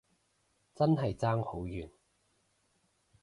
真係爭好遠